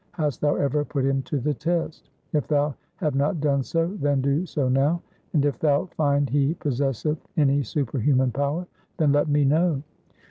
Hast thou ever put him to the test ? If thou have not done so, then do so now, and if thou find he possesseth any superhuman power, then let me know.'